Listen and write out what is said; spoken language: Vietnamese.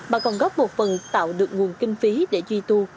mà còn góp một phần tạo được nguồn kinh phí để duy tu